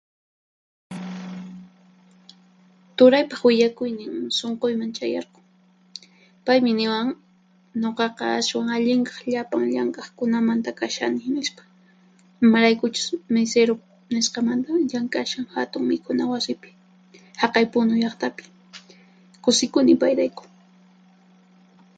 "Turaypaq willakuynin sunquyman chayarqun. Paymi niwan: ""nuqaqa ashwan allinkaq llapan llank'aqkunamanta kashani"", nispa. Imaraykuchus misiru nisqamanta llank'ashan hatun mikhuna wasipi, haqay Punu llaqtapi. Kusikuni payrayku."